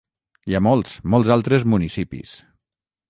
I a molts, molts altres municipis!